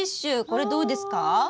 これどうですか？